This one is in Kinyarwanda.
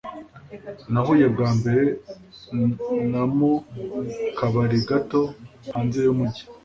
Nahuye bwa mbere na mu kabari gato hanze yumujyi.